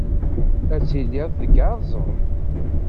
Ad tiliḍ tgerrzeḍ.